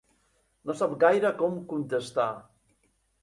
No sap gaire com contestar.